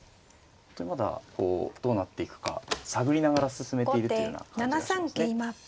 本当にまだどうなっていくか探りながら進めているというような感じがしますね。